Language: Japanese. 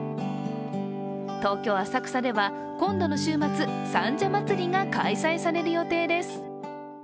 東京・浅草では今度の週末三社祭が開催される予定です。